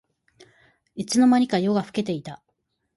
いつの間にか夜が更けていた